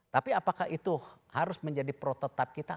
tapi apakah itu harus menjadi protetap kita